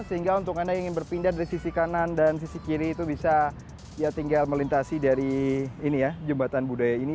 sehingga untuk anda yang ingin berpindah dari sisi kanan dan sisi kiri itu bisa ya tinggal melintasi dari jembatan budaya ini